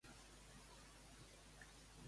Quan va començar a redactar més?